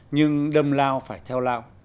nhưng đầm lao phải theo lao